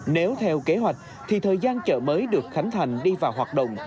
nếu theo kế hoạch thì thời gian chợ mới được khánh thành đi vào hoạt động